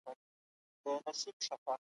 د عزت مرګ یې